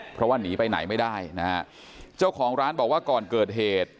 เพราะว่าหนีไปไหนไม่ได้นะฮะเจ้าของร้านบอกว่าก่อนเกิดเหตุ